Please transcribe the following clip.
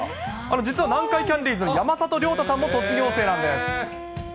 実は南海キャンディーズの山里亮太さんも卒業生なんです。